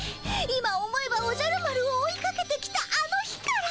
今思えばおじゃる丸を追いかけてきたあの日から。